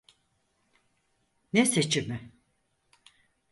Ne seçimi?